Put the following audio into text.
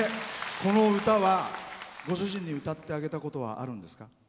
この歌は、ご主人に歌ってあげたことはあるんですか。